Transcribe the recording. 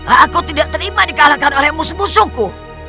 aku tidak terima dikalahkan oleh musuh musuhku